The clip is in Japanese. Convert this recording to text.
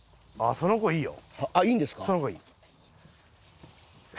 その子いいよ。